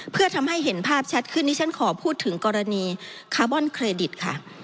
เพื่อทำให้เห็นภาพชัดขึ้นที่ฉันขอพูดถึงกรณีคาร์บอนเครดิตค่ะ